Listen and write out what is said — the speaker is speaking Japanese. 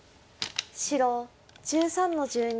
白１３の十二。